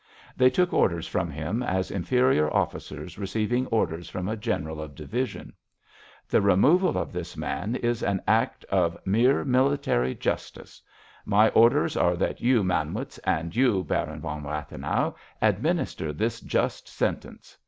They took orders from him as inferior officers receiving orders from a general of division. "The removal of this man is an act of mere military justice. My orders are that you, Manwitz, and you, Baron von Rathenau, administer this just sentence!"